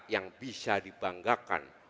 yang bisa dibanggakan